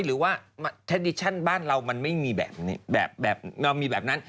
แทนดิชั่นบ้านเรามันไม่มีแบบนั้น